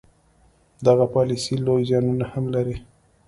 دغه پالیسي لوی زیانونه هم لري.